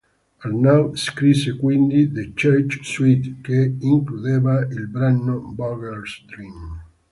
Arnaud scrisse quindi "The Charge Suite", che includeva il brano "Bugler's Dream".